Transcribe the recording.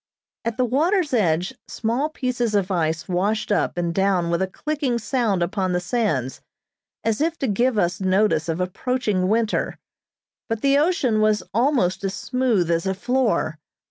At the water's edge small pieces of ice washed up and down with a clicking sound upon the sands, as if to give us notice of approaching winter, but the ocean was almost as smooth as a floor.